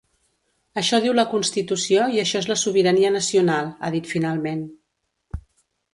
Això diu la constitució i això és la sobirania nacional, ha dit finalment.